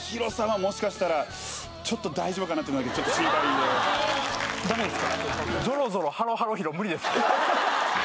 もしかしたらちょっと大丈夫かなってのだけちょっと心配でダメですか？